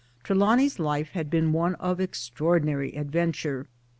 Trelawny 's life had been one of extraordinary adventure.